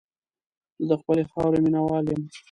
زه د خپلې خاورې مینه وال یم.